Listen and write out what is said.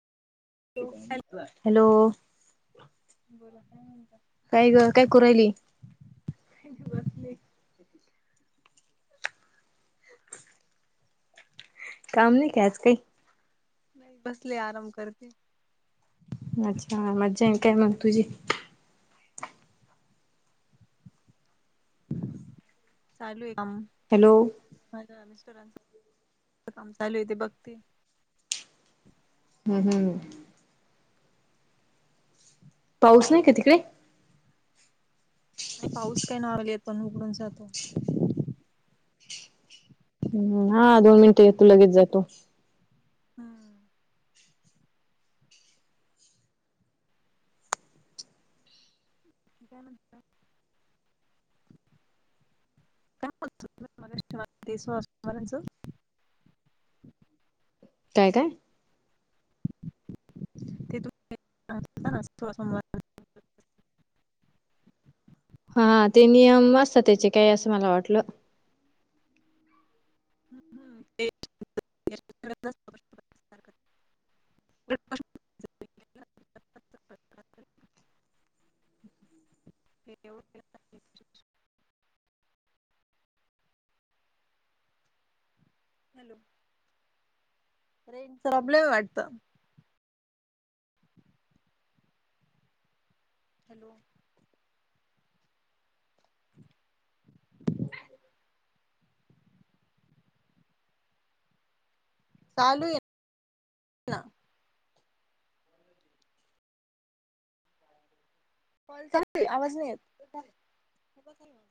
Hello बोला काय म्हणता काय ग‌ काय करू राहली. बसले. काम नाही का आज काही नाही बसले आराम करते. अच्छा मजा काय मग तुझी चालु आहे का मग हॅलो. ह मिस्टरांच काम चालु आहे ते बघतील. हम् हम. पाऊस नाही का तिकडे नाही पाऊस काय नग येत पण उघडुन जातो. ह्म हा दोन मिनिटं येतो लगेच जातो. हम्म. काय म्हणता? कायत म [unintelligible] काय काय? ते तू थोडा समोर हा ते नियम असतात त्याचे काय असं मला वाटलं. [inaudible] तेव [inaudible] अ [unintelligible] हॅलो. स आपलं वाटतं [unintelligible] हॅलो. चालु हे. कॉल चालु आहे आवाज नाही येत.